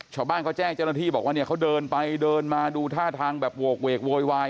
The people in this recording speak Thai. ชาวบ้านเขาแจ้งเจ้าหน้าที่บอกว่าเนี่ยเขาเดินไปเดินมาดูท่าทางแบบโหกเวกโวยวาย